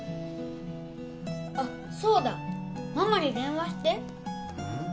あっそうだママに電話してうん？